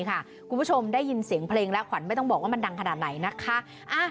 คุณผู้ชมได้ยินเสียงเพลงและขวัญไม่ต้องบอกว่ามันดังขนาดไหนนะคะ